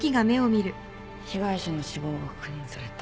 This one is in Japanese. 被害者の死亡が確認された